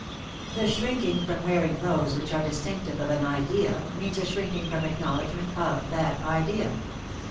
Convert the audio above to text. The shrinking from wearing clothes which are distinctive of an Idea means a shrinking from acknowledgment of that Idea.